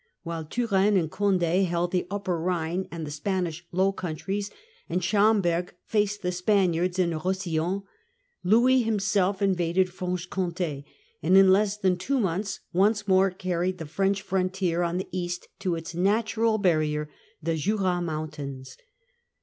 While Turenne and Conde held the Upper Rhine and the Spanish Low Countries, and Schomberg faced the „ r Spaniards in Roussillon, Louis himself invaded Franche Franche Comte, and in less than two months ComtA Qnce more carried the French frontier on the east to its natural barrier, the Jura mountains.